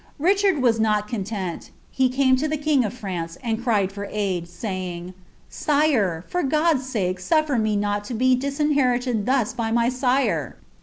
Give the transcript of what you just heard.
Richard was not content ; he came to the king mee, and cried for aid, saving, 'Sire, for God's sake sufier me not ■ disinheriietl thus by my sire.